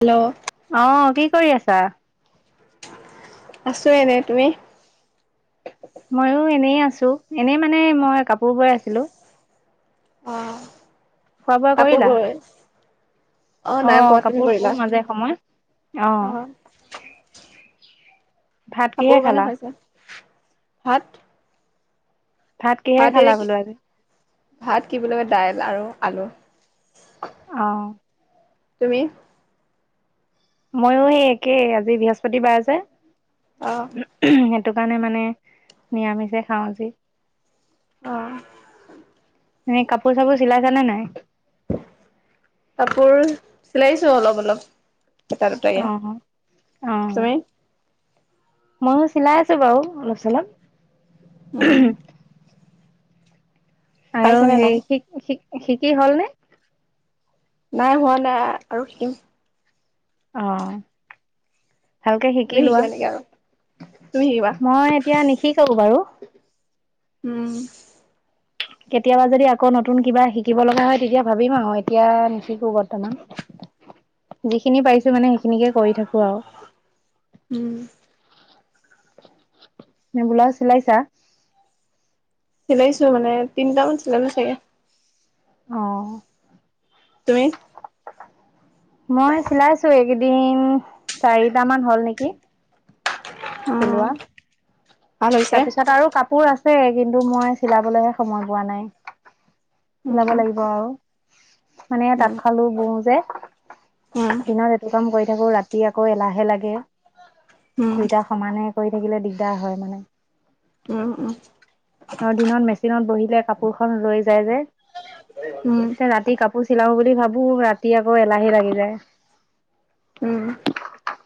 Hello আহ কি কৰি আছা। আছো এনে তুমি। মইও এনে আছো এনেই মানে মই কাপোৰ বৈ আছিলো। অহ। খোৱা বোৱা কৰিলা। অ নাই অহ কোৱা তুমি কাপোৰ বও কৰিলা মাজে সময়, অ অহ। কাপোৰ কাৰনে হৈছে। ভাত। ভাত কিহে খালা বোলো আজি। ভাত কি বুলি কয় দাইল আৰু আলু। অহ। তুমি। ময়ো সেই একেই আজি বৃহস্পতিবাৰ যে। অহ। সেইটো কাৰণে মানে নিৰামিষে খাওঁ আজি। অহ। এ কাপোৰ চাপোৰ চিলাই চানে নাই। কাপোৰ। চিলাইছো অলপ অলপ। এটা দুটাকে অ' অ' তুমি! ময়ো চিলাই আছো বাৰু অলপচলপ। অহ। আৰু হে শিক শিক। শিকি হল নে। নাই হোৱা নাই আৰু শিকম আহ ভালকে শিকি তুমি লোৱা শিকিবা নেকি আৰু তুমি শিকিবা মই এতিয়া নিশিকো বাৰু উম কেতিয়াবা যদি আকৌ নতুন কিবা শিকিব লগা হয় তেতিয়া ভাবিম আহ এতিয়া নিশিকো বৰ্তমান যিখিনি পাৰিছো মানে খিনিকে কৰি থাকো আৰু উম ন বোলাউজ চিলাইছা চিলাইছো মানে তিনিটামান চিলালো চাগে আহ তুমি মই চিলাইছো এইকেইদিন চাৰিটামান হল নেকি। চিলোৱা। অঁ তাৰপিছত আৰু কাপোৰ আছে কিন্তু মই চিলাবলৈ হে সময় গোৱা নাই। উম চিলাব লাগিব আৰু। মানে তাঁত উম খলো বওঁ যে উম দিনত এইটো কাম কৰি। আকো ৰাতি আকৌ এলাহে লাগে উম দুচইতা সমানে কৰি থাকিলে দিগদাৰ হয় মানে উম উম আৰু দিনত মেচিনত বহিলে কাপোৰ খ ৰৈ যায় যে উম তে ৰাতি কাপোৰ চিলাও বুলি ভাবো ৰাতি আকৌ এলাহী লাগি যায় উম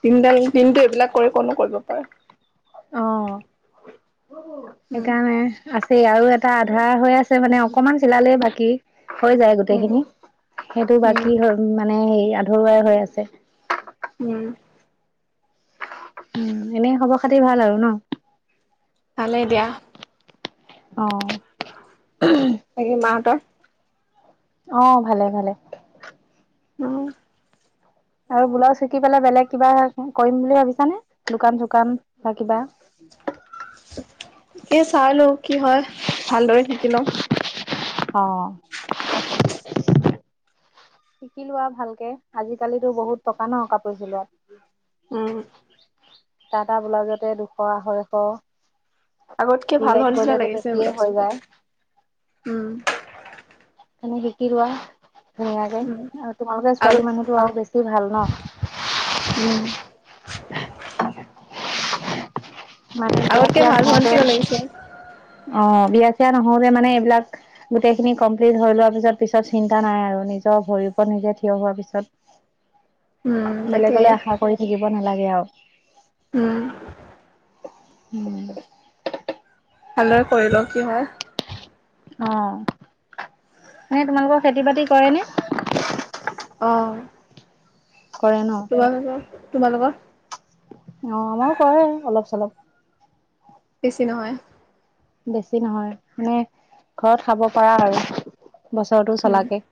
দিনডাল দিনটো এইবিলাক কৰি কনো কৰিব পাৰে অঁ উম সেইকাৰণে নাই আ আৰু এটা আধা হৈ আছে মানে অকমান চিলালেই বাকী হৈ যায় উম গোটেইখিনি সেইটো উম বাকী হয় মানে হে আ ধৰুৱাই হৈ আছে। উম উ এনে খবৰ খাতি ভাল আৰু ন ভালে দিয়া অ', তাকে মাহ তৰ। অ ভালে ভালে অ আৰু ব্লাউজ শিকি পেলাই বেলেগ কিবা কৰিম বুলি ভাবিছানে দোকান চোকান বা কিবা কি চাই ল ওঁ কি হয় ভালদৰে শিকি লওঁ। অঅ শিকিলোৱা ভালকে আজিকালিতো বহুত টকা ন কাপোৰ চিলোৱাত উম। টাটা ব্লাউজতে দুশ আঢ়ৈশ। আগতকে ভাল হল ডিজাইন হোৱা নিচিনা কৰিলেতো লাগিছে বেছিয়ে ব্লাউজ হৈ যায়। উম, মানে শিকিলোৱা ধুনীয়াকে উম আৰু তোমালোকে ছোৱালী আগত মানুহটো আৰু বেছি ভাল ন, উম মানে বিয়া আগতকে ভাল হোৱাৰ নিচিনা লাগিছে। অঁ বিয়া চিয়া নহলে মানে এইবিলাক গোটেইখিনি কমপ্লিট হৈ লোৱাৰ পিছত পিছত চিন্তা নাই আৰু নিজৰ ভৰিৰ ওপৰত নিজে থিয় হোৱাৰ উম পিছত। তাকে বেলেগলৈ আশা কৰি থাকিব নালাগে আৰু, [unintelligible] উম। উম। ভালদৰে কৰিল কি হয়। অঁ, এনে তোমালোকৰ খেতি বাতি কৰে নে? অঁ। কৰে ৱাহ [unintelligible] তোমালোকৰ। অঁ, আমাৰো কৰে অলপ চলপ। বেছি নহয়। বেছি নহয় মানে ঘৰত খাব পাৰা আৰু, বছৰৰতো উম চলাকে,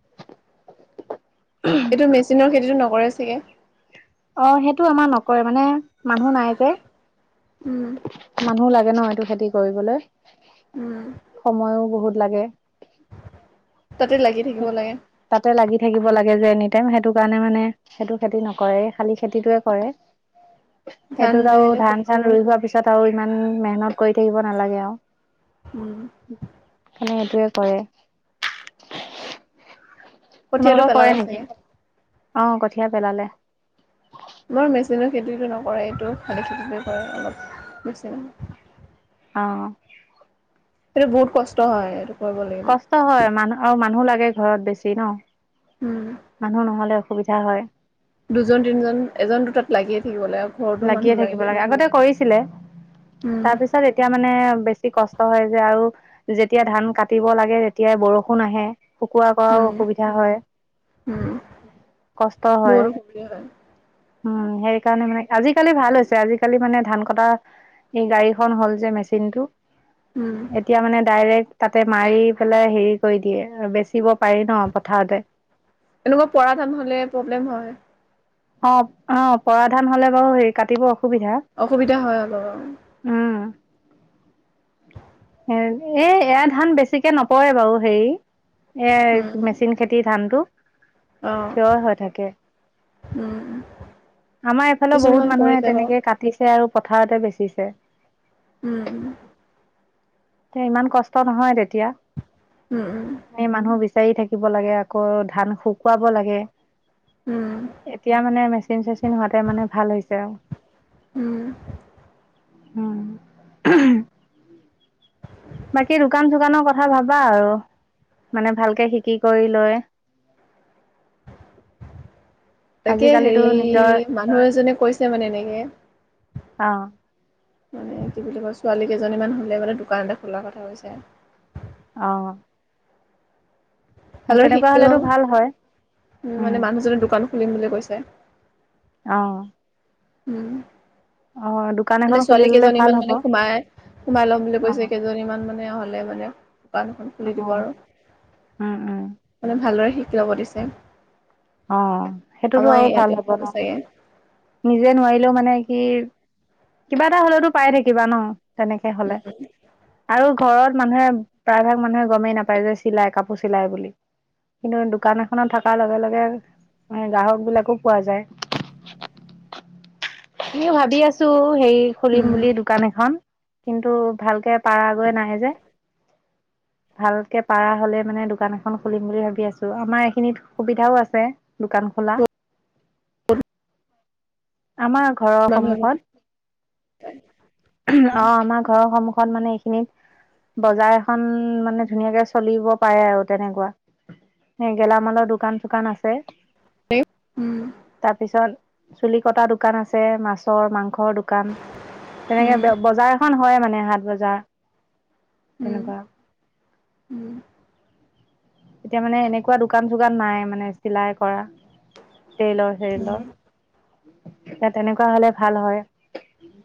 এইটো মেচিনৰ খেতিটো নকৰে। কৰে চাগে? অঁ, সেইটো আমাৰ নকৰে মানে মানুহ নাই যে, উম। মানুহ লাগে ন এইটো খেতি কৰিবলৈ, উম সময়ো বহুত। লাগে। তাতে লাগি থাকিব সেই লাগে তাতে লাগি থাকিব লাগে। ল যে এনিটাইম সেইটো কাৰণে মানে সেইটো খেতি নকৰে খালি খেতিটোয়ে কৰে। ধান সেইটোত আৰু ধান চান ৰুই যোৱাৰ পিছত। তাত আৰু ইমান মেহনত কৰি থাকিব নালাগে আৰু। উম। সেইটোৱে কৰে। কঠিয়াটো তোমালোকৰ কৰে পেলালে নেকি। চাগে আহ কঠিয়া পেলালে আমাৰ মেচিনৰো খেতিতটো নকৰে এইটো, শালি খেতিতে কৰে অলপ মেচ। অ। এ বহুত কষ্ট হয় আৰু। কষ্ট হয় মানুহ আৰু মানুহ লাগে। ঘৰত বেছি ন। উম মানুহ নহ'লে অসুবিধা হয়। দুজন তিনিজন এজনতো তাত লাগিয়ে থাকিব লাগে ঘৰতো মানুহ লাগিয়ে থাকিব লাগে আগতে কৰিছিলে। উম তাৰপিছত এতিয়া মানে বেছি কষ্ট হয় যে আৰু। যেতিয়া ধান কাটিব লাগে তেতিয়াই বৰষুণ আহে। শুকুবাও কৰাও উম অসুবিধা হয় উম কষ্ট হয়। বহুত অসুবিধা হয় উম সেই কাৰণে মানে আজিকালি ভাল হৈছে আজিকালি মানে ধান কটা এই গাড়ীখন হ'ল যে মেচিন টো। উম এতিয়া মানে ডাইৰেক্ট তাতে মাৰি পেলাই হেৰি কৰি দিয়ে বেচিব পাৰি ন পথাৰতে এনেকুৱা পৰা ধান হলে প্ৰব্লেম হয়। অ অ পৰা ধান হলে বাৰু হেৰি কাটিব অসুবিধা অসুবিধা হয় অলপ আও। এ এ এয়া ধান বেছিকে নপৰে বাৰু হেৰি উম এ মেচিন খেতিৰ ধানটো। অ থিয় এ হৈ থাকে। উম আমাৰ এইফালে কিছুমান বহুত পৰি মানুহে যাব তেনেকে কাটিছে আৰু। পথাৰতে বেচিছে। উম। এ ইমান কষ্ট নহয় তেতিয়া। উম উম। এই মানুহ বিচাৰি থাকিব লাগে আকৌ ধান শুকুৱাব লাগে। উম। এতিয়া মানে মেচিন চেচিন হোৱাতে মানে ভাল হৈছে আও। উম উম [unintelligible] বাকী দোকান চোকানৰ কথা ভাবা আৰু মানে ভালকে শিকি কৰি লৈ। তাকে আজিকালিতো হেৰি নিজৰ মানুহ এজনে কৈছে মানে এনেকে, অ মানে কি বুলি কয় ছোৱালী কেইজনীমান হ'লে মানে দোকান এটা খোলাৰ কথা হৈছে। অহ। হ'লেও শিকি লওঁ। ভাল হয় উ উম মানে মানুহজনে দোকান খুলিম বুলি কৈছে। অ উম। অ দোকান মানে এখন খুলি ছোৱালী ললে ভাল কেইজনীমান হ'ব মানে সোমাই সোমাই ল'ম বুলি অ কৈছে, কেইজনীমান মানে হ'লে মানে দোকান এখন অ খুলি দিব আৰু উম উম মানে ভালদৰে শিক। ল'ব দিছে। অ সেইটোতো আমাৰ আৰু ইয়াতে ভাল হ'ব ন। চাগে নিজে নোৱাৰিলেওঁ মানে কি কিবা এটা হ'লেতো পাই থাকিবা। তেনেকে হ'লে আৰু। ঘৰত মানুহে প্ৰায়ভাগ মানুহে গমেই নাপায়, যে চিলাই কাপোৰ চিলাই বুলি কিন্তু দোকান এখনত থকাৰ লগে লগে গ্ৰাহক বিলাকো পোৱা যায়। মই ভাবি আছোঁ। হেৰি খুলিম উম বুলি দোকান এখন। কিন্তু ভালকে পাৰা গৈ নাই যে, ভালকে পাৰা হ'লে মানে দোকান এখন খুলিম বুলি ভাবি আছোঁ। বহুত আমাৰ ঘৰৰ মানুহ সন্মুখত অ আমাৰ ঘৰৰ সন্মুখত। অ মানে এইখিনিত বজাৰ এখন মানে ধুনীয়াকে চলিব পাৰে। আৰু তেনেকুৱা এ গেলামালৰ দোকান চোকান আছে। উম তাৰপিছত। চুলি কটা দোকান আছে, মাছৰ, মাংস। মাংসৰ দোকান উম তেনেকে বজাৰ এখন হয় মানে। হাট বজাৰ। উম তেনেকুৱা। উম। এতিয়া মানে এনেকুৱা দোকান চোকান নাই মানে চিলাই কৰা। ট্ৰেইলাৰ উম চেলাৰ। অ তেনেকুৱা হ'লে ভাল হয়।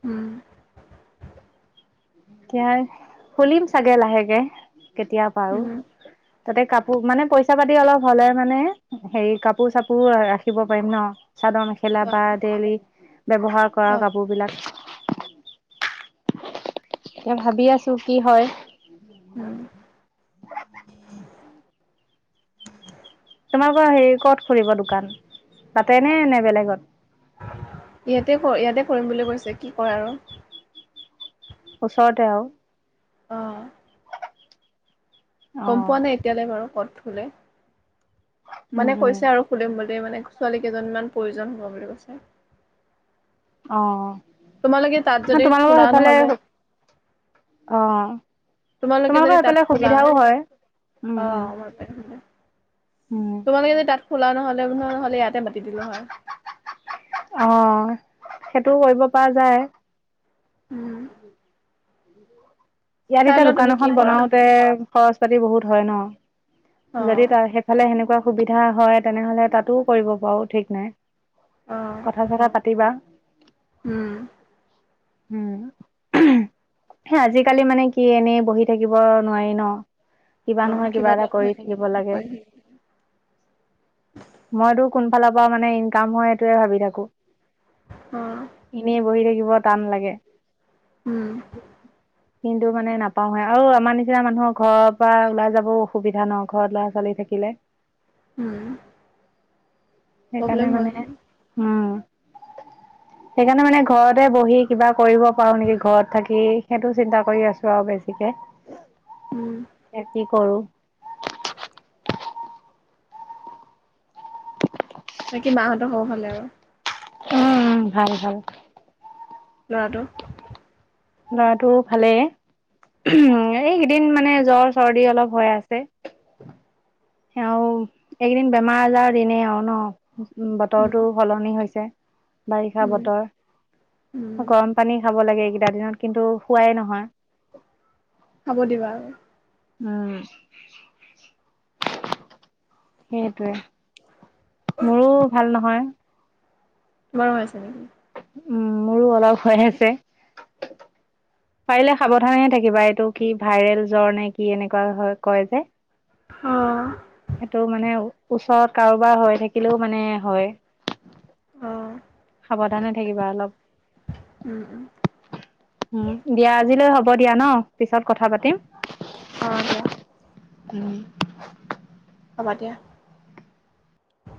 উম। এতিয়াই, খুলিম চাগে লাহেকে। কেতিয়া পাৰোঁ। তাতে কাপোৰ মানে পইচা পাতি অলপ হ'লে মানে হেৰি কাপোৰ চাপোৰ ৰাখিব পাৰিম ন। চাদৰ মেখেলা বা ডেইলী ব্যৱহাৰ কৰা উম কাপোৰ বিলাক। এ ভাবি আছোঁ কি হয়। উম উম। তোমাৰ পৰা হেৰি ক'ত খুলিবা দোকান তাতে নে বেলেগত। ইয়াতে ইয়াতে কৰিম বুলি কৈছে কি কৰে আৰু। ওচৰতে আৰু। অ। গম অ' পোৱা নাই এতিয়ালৈ বাৰু ক'ত। কোনে। উম মানে উম কৈছে আৰু খুলিম বুলি। মানে ছোৱালী কেইজনীমান প্ৰয়োজন হ'ব বুলি কৈছে অঁ তোমালোকে তাত যদি খোলা নহ'লে অ' তোমালোকে তোমালোকৰ যদি তাত সেইফালে খোলা সুবিধাও হয় উম উম আহ উম তোমালোকে যদি তাত খোলা নহ'লে নহ'লে ইয়াত তে মাতি দিলো হয় সেইটোও কৰিব পৰা যায় উম ইয়াত চাই এতিয়া লোৱা দোকান তুমি কি এখন কৰা বনাওতে খৰচ পাতি বহুত হয় ন যদি অ', তাৰ সেইফালে সেনেকুৱা সুবিধা হয় তেনেহলে তাতো কৰিব পৰো ঠিক নাই অ', কথা চথা পাতিবা উম। উম উমহ হে আজি কালি মানে কি এনেই বহি থাকিব নোৱাৰি ন কিবা অ' নহয় কিবা এটা কৰি নহয় থাকিব লাগে কিবা এটা মইতো কোন ফালৰ পৰা মানে ইনকাম হয় এইটোয়ে ভাবি থাকো অ' এনেই বহি থাকিব ব টান লাগে উম কিন্তু মানে নাপাৱে আৰু আমাৰ নিচিনা মানুহৰ ঘৰৰ পৰা ওলাই যাব অসুবিধা নহ ঘৰত ল'ৰা ছোৱালী থাকিলে উম সেইকাৰণে প্ৰব্লেম হয় মানে উম সেইকাৰণে মানে ঘৰতে বহি কিবা কৰিব পাৰোঁ নেকি ঘৰত থাকি সেইটো চিন্তা কৰি আছোঁ আৱ বেছিকে উম, খেতি কৰোঁ বাকী মাহঁতৰ খবৰ ভালে আৰু অ উম ভাল ভাল ল'ৰাটো ল'ৰাটো ভালে উমহ এইকেইদিন মানে জ্বৰ চৰ্দি অলপ হৈ আছে আৰু এইকেইদিন বেমাৰ আজাৰ দিনে আৰু ন উ উম, বতৰটো সলনি হৈছে বাৰিষা উম, বতৰ উম, গৰম পানী খাব লাগে যাৰ দিনত কিন্তু শোৱাই নহয় খাব দিবা আৰু উম সেইটোৱে মোৰো ভাল নহয় গৰম হৈছে নেকি উম মোৰো অলপ হৈ আছে পাৰিলে সাৱধানেহে থাকিবা এইটো কি ভাইৰেল জ্বৰ নে কি এনেকুৱা হয় কয় যে অ', সেইটো মানে ওচৰত কাৰোবাৰ হৈ থাকিলেও মানে হয় অ সাৱধানে থাকিবা অলপ উম, উম, উম দিয়াআজিলৈ হব হ'ব দিয়া ন পিছত কথা পাতিম অ', দিয়া উম হ'বা দিয়া